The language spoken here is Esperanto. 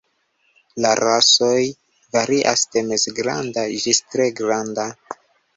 La rasoj varias de mezgranda ĝis tre granda.